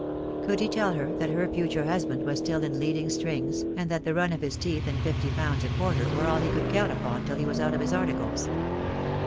Could he tell her that her future hus band was still in leading strings, and that the run of his teeth and fifty pounds a quarter were all he could count upon till he was out of his articles?